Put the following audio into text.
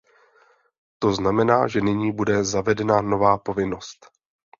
To znamená, že nyní bude zavedena nová povinnost.